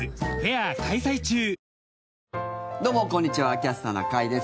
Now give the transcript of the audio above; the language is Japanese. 「キャスターな会」です。